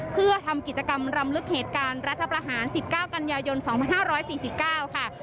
เพื่อทำกิจกรรมรำลึกเหตุการณ์รัฐประหาร๑๙กันยายน๒๕๔๙ค่ะ